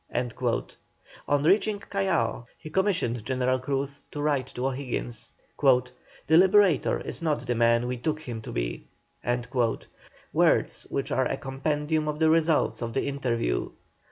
On reaching Callao he commissioned General Cruz to write to O'Higgins: "The Liberator is not the man we took him to be;" words which are a compendium of the results of the interview.